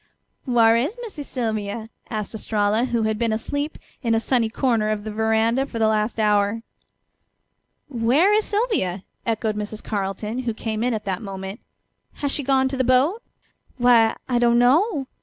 "Whar' is Missy Sylvia?" asked Estralla, who had been asleep in a sunny corner of the veranda for the last hour. "Where is Sylvia?" echoed Mrs. Carleton, who came in at that moment. "Has she gone to the boat?" "Why, I don't know.